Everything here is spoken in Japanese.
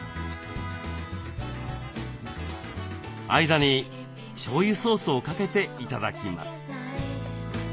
間にしょうゆソースをかけて頂きます。